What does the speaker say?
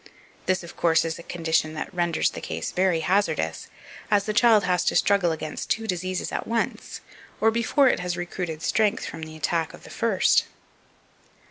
This, of course, is a condition that renders the case very hazardous, as the child has to struggle against two diseases at once, or before it has recruited strength from the attack of the first.